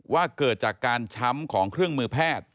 ว่าเกิดจากการช้ำของเครื่องมือแพทย์